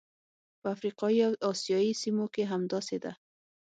په افریقایي او اسیايي سیمو کې همداسې ده.